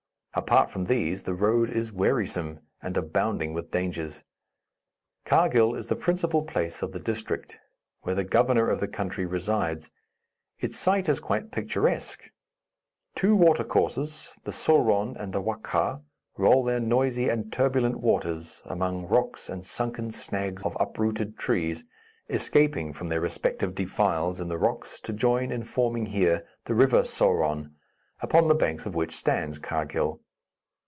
Apart from these the road is wearisome and abounding with dangers. Karghil is the principal place of the district, where the governor of the country resides. Its site is quite picturesque. Two water courses, the Souron and the Wakkha, roll their noisy and turbulent waters among rocks and sunken snags of uprooted trees, escaping from their respective defiles in the rocks, to join in forming here the river Souron, upon the banks of which stands Karghil.